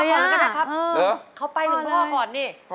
พอเลยนะครับเหรอเขาไปหนึ่งบ้อนี่พ่อเลย